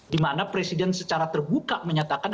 di mana presiden secara terbuka menyatakan